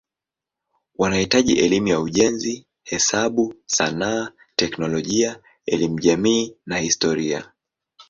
Wanahitaji elimu ya ujenzi, hesabu, sanaa, teknolojia, elimu jamii na historia.